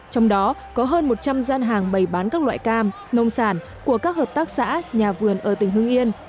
trong đó có hơn một trăm linh gian hàng bày bán các loại cam nông sản của các hợp tác xã nhà vườn ở tỉnh hưng yên